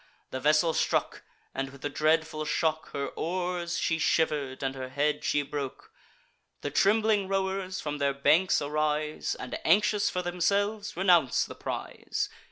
The vessel struck; and, with the dreadful shock, Her oars she shiver'd, and her head she broke. The trembling rowers from their banks arise, And, anxious for themselves, renounce the prize.